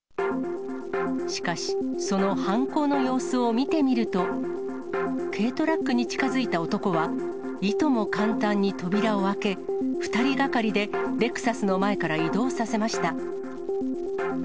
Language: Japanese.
しかし、その犯行の様子を見てみると、軽トラックに近づいた男は、いとも簡単に扉を開け、２人がかりでレクサスの前から移動させました。